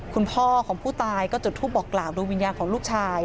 คุณพ่อของผู้ตายก็จุดทูปบอกกล่าวดวงวิญญาณของลูกชาย